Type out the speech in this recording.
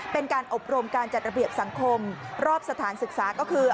เป็นการอบรมการจัดระเบียบสังคมรอบสถานศึกษาก็คือ